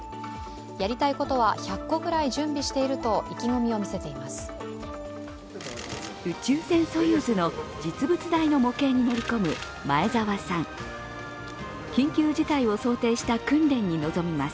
やりたいことは１００ぐらい個準備していると意気込みを見せています。